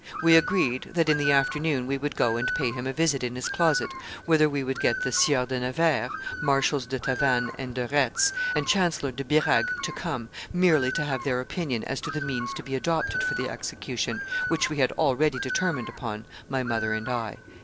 We agreed that, in the afternoon, we would go and pay him a visit in his closet, whither we would get the Sieur de Nevers, Marshals de Tavannes and de Retz, and Chancellor de Birague to come, merely to have their opinion as to the means to be adopted for the execution, which we had already determined upon, my mother and I."